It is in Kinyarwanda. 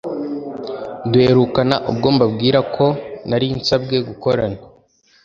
Duherukana ubwo mbabwiraga ko narinsabwe gukorana